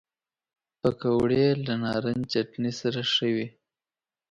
پکورې له نارنج چټني سره ښه وي